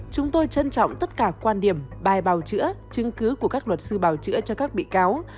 chúng tôi trân trọng tất cả quan điểm bài bào chữa chứng cứ của các luật sư bảo chữa cho các bị cáo